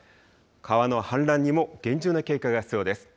川の氾濫にも厳重な警戒が必要です。